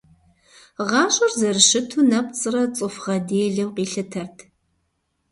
Гъащӏэр зэрыщыту нэпцӏрэ цӏыху гъэделэу къилъытэрт.